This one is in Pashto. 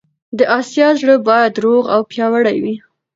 د اسیا زړه باید روغ او پیاوړی وي.